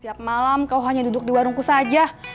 tiap malam kau hanya duduk di warungku saja